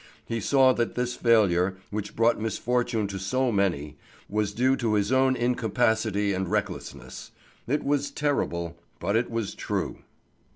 He saw that this failure, which brought misfortune to so many, was due to his own incapacity and recklessness. It was terrible, but it was true.